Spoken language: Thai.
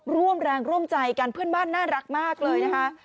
ร่วมแรงร่วมใจกันเพื่อนบ้านน่ารักมากเลยนะคะ